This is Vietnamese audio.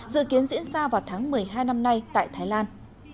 dự kiến diễn ra vào tháng một mươi hai năm nay tại thái lan